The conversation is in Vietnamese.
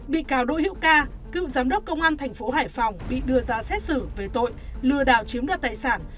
bị cáo đội hiệu ca cựu giám đốc công an thành phố hải phòng bị đưa ra xét xử về tội lừa đào chiếm đoạt tài sản